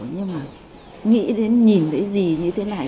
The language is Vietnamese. nhưng mà nghĩ đến nhìn thấy gì như thế này